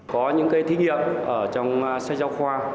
có những cái thiết nghiệm ở trong sách giáo khoa